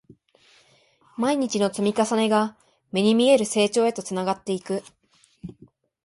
毎日の積み重ねが、目に見える成長へとつながっていく